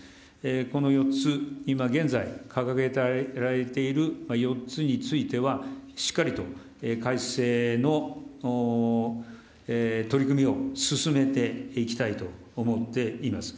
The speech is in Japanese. この４つ、今現在、掲げられている４つについては、しっかりと改正の取り組みを進めていきたいと思っています。